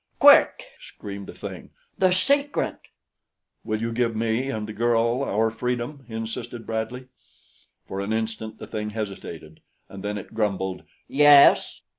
"Quick!" screamed the thing. "The secret!" "Will you give me and the girl our freedom?" insisted Bradley. For an instant the thing hesitated, and then it grumbled "Yes."